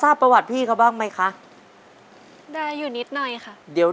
ติดตามพี่วินมานานหรือยัง